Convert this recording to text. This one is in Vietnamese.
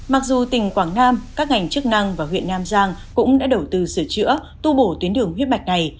mặc dù tỉnh quảng nam các ngành chức năng và huyện nam giang cũng đã đầu tư sửa chữa tu bổ tuyến đường huyết mạch này